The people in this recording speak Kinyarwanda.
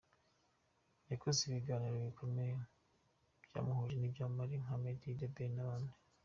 Yakoze ibiganiro bikomeye byamuhuje n’ibyamamare nka Meddy, The Ben n’abandi.